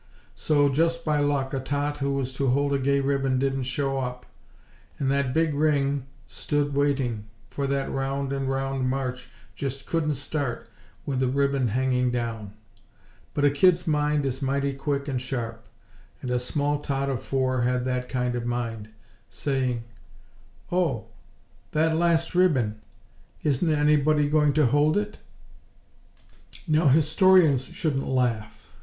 So, just by luck, a tot who was to hold a gay ribbon didn't show up; and that big ring stood waiting, for that round and round march just couldn't start with a ribbon hanging down! But a kid's mind is mighty quick and sharp; and a small tot of four had that kind of mind, saying: "Oh! That last ribbon! Isn't anybody going to hold it?" Now historians shouldn't laugh.